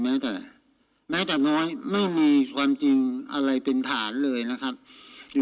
แม้แต่น้อยไม่มีความจริงอะไรเป็นฐานเลยนะครับอยู่